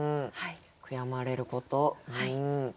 悔やまれることうん。